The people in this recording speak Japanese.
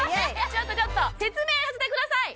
ちょっとちょっと説明させてください